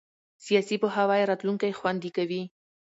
سیاسي پوهاوی راتلونکی خوندي کوي